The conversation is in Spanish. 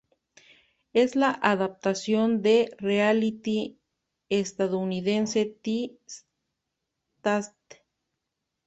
Es la adaptación del reality estadounidense The Taste.